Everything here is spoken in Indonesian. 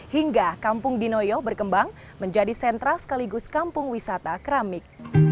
hingga kampung dinoyo berkembang menjadi sentra sekaligus kampung wisata keramik